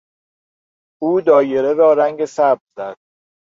او دایره را رنگ سبز زد.